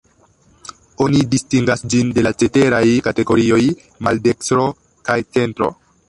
Oni distingas ĝin de la ceteraj kategorioj: maldekstro kaj centro.